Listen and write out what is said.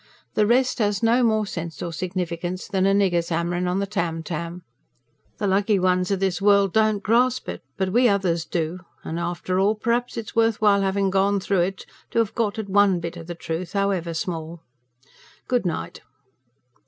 The rest has no more sense or significance than a nigger's hammerin' on the tam tam. The lucky one o' this world don't grasp it; but we others do; and after all p'raps, it's worth while havin' gone through it to have got at ONE bit of the truth, however, small. Good night."